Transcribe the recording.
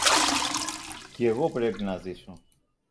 Κι εγώ πρέπει να ζήσω!